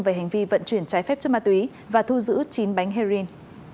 về hành vi vận chuyển trái phép chất ma túy và thu giữ chín bánh heroin